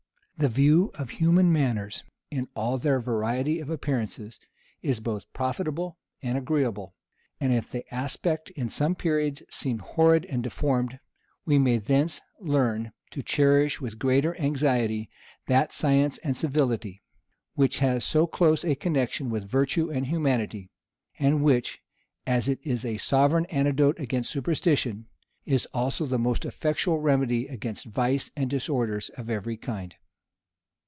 The view of human manners, in all their variety of appearances, is both profitable and agreeable; and if the aspect in some periods seem horrid and deformed, we may thence learn to cherish with the greater anxiety that science and civility, which has so close a connection with virtue and humanity, and which, as it is a sovereign antidote against superstition, is also the most effectual remedy against vice and disorders of every kind.